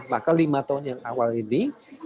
maka lima tahun yang awal ini